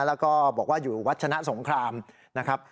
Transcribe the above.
แล้วก็บอกว่าอยู่วัชนะสงครามนะครับ